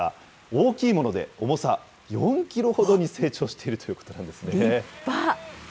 大きいもので重さ４キロほどに成長しているということなんですね。